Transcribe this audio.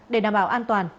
để đảm bảo an toàn